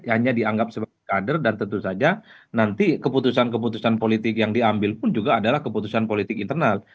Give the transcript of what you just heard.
hanya dianggap sebagai kader dan tentu saja nanti keputusan keputusan politik yang diambil pun juga adalah keputusan politik internal